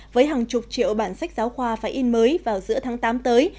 với hàng chục triệu bản sách giáo khoa phải in mới vào giữa tháng tám tới